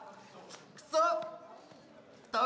クソ！